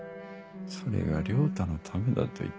それが良太のためだと言っただろ。